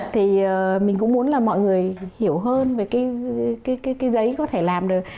thì mình cũng muốn là mọi người hiểu hơn về cái giấy có thể làm được